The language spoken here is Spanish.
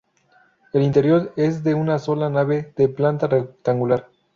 El interior es de una sola nave, de planta rectangular.